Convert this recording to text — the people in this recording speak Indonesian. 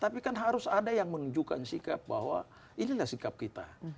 tapi kan harus ada yang menunjukkan sikap bahwa inilah sikap kita